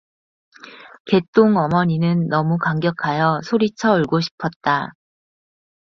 개똥 어머니는 너무 감격하여 소리쳐 울고 싶었다.